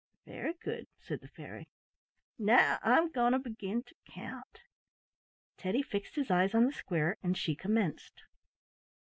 "Very good," said the fairy. "Now I'm going to begin to count." Teddy fixed his eyes on the square and she commenced.